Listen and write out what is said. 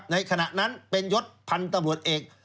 ในขณะนั้นเป็นยศพันธุ์ตำรวจเอก